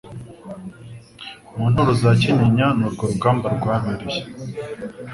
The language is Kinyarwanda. Mu nturo za Kinyinya ni urwo rugamba rwabereye